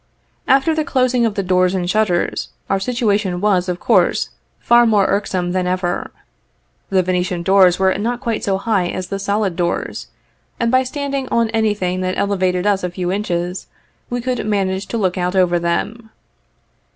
After the closing of the doors and shutters, our situation was of course, far more irksome than ever. — The Venetian doors were not quite so high as the solid doors, and by standing on anything that elevated us a few inches, we could manage to look out over them.